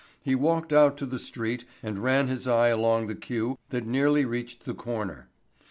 He walked out to the street and ran his eye along the queue that nearly reached the corner.